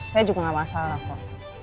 saya juga gak masalah kok